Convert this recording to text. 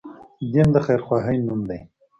دين د خير خواهي نوم دی